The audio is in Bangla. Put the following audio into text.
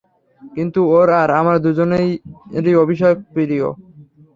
কিন্তু, ওর আর আমার দুজনেরই অভিষেক প্রিয়।